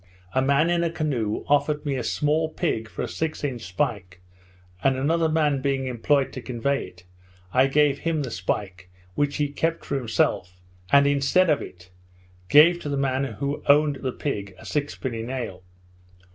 A man in a canoe offered me a small pig for a six inch spike, and another man being employed to convey it, I gave him the spike, which he kept for himself, and instead of it, gave to the man who owned the pig a sixpenny nail.